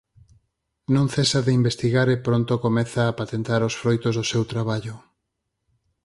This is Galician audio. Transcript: Non cesa de investigar e pronto comeza a patentar os froitos do seu traballo.